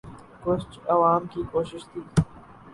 کچھ عوام کی کوشش تھی۔